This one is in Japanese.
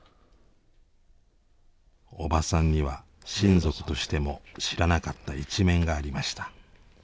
おばさんには親族としても知らなかった一面がありました。